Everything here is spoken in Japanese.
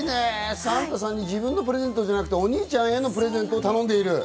サンタさんに自分のプレゼントじゃなくて、お兄ちゃんへのプレゼントを頼んでいる。